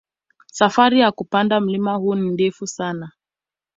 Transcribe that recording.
Safari ya kupanda mlima huu ni ndefu sana